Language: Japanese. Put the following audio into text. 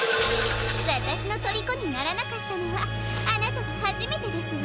わたしのとりこにならなかったのはあなたがはじめてですわ。